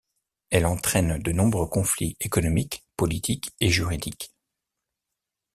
Elle entraîne de nombreux conflits économiques, politiques et juridiques.